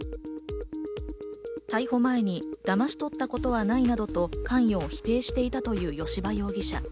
逮捕前にだまし取ったことはないなどと関与を否定していたという吉羽容疑者。